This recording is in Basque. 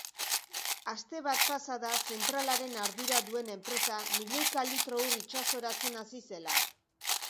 Aste bat pasa da zentralaren ardura duen enpresa milioika litro ur itsasoratzen hasi zela.